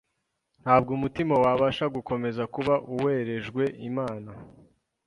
Ntabwo umutima wabasha gukomeza kuba uwerejwe Imana